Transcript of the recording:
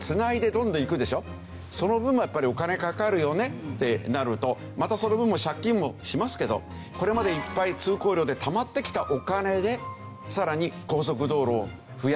その分もやっぱりお金かかるよねってなるとまたその分も借金もしますけどこれまでいっぱい通行料でたまってきたお金でさらに高速道路を増やしましょう。